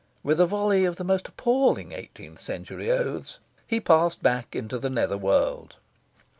With a volley of the most appalling eighteenth century oaths, he passed back into the nether world.